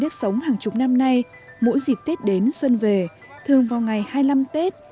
nếp sống hàng chục năm nay mỗi dịp tết đến xuân về thường vào ngày hai mươi năm tết